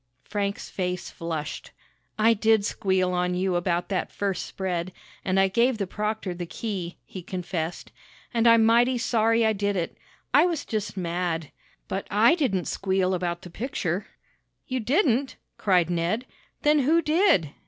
Frank's face flushed. "I did squeal on you about that first spread, and I gave the proctor the key," he confessed, "and I'm mighty sorry I did it. I was just mad. But I didn't squeal about the picture!" "You didn't?" cried Ned. "Then who did?"